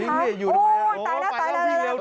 โอ้ยยยตายแล้ว